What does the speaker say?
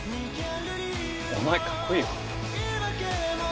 お前かっこいいよ。